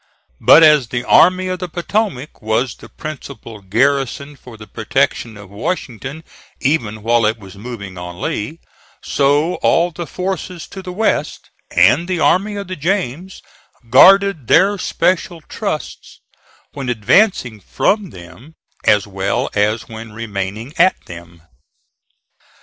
But as the Army of the Potomac was the principal garrison for the protection of Washington even while it was moving on Lee, so all the forces to the west, and the Army of the James, guarded their special trusts when advancing from them as well as when remaining at them.